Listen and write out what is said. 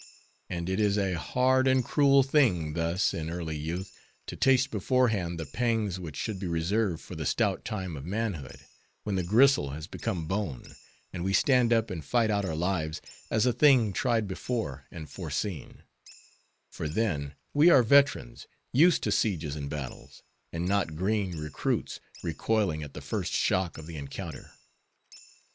And it is a hard and cruel thing thus in early youth to taste beforehand the pangs which should be reserved for the stout time of manhood, when the gristle has become bone, and we stand up and fight out our lives, as a thing tried before and foreseen; for then we are veterans used to sieges and battles, and not green recruits, recoiling at the first shock of the encounter.